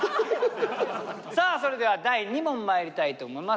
さあそれでは第２問まいりたいと思います。